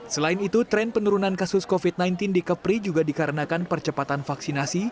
selain itu tren penurunan kasus covid sembilan belas di kepri juga dikarenakan percepatan vaksinasi